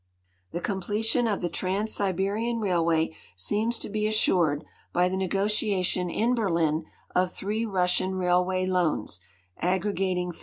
The completion of the Trans Siberian railway seems to be assured by the negotiation in Berlin of three Russian railway loans, aggregating $5.